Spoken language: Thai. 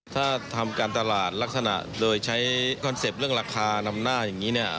ถ้าทำการตลาดลักษณะโดยใช้คอนเซ็ปต์เรื่องราคานำหน้าอย่างนี้เนี่ย